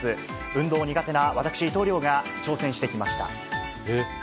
運動苦手な私、伊藤遼が挑戦してきました。